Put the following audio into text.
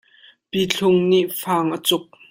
Pitlung nih fang a cuk.